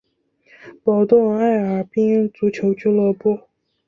保顿艾尔宾足球俱乐部。